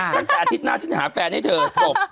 ตั้งแต่อาทิตย์หน้าฉันจะหาแฟนให้เธอโกรธ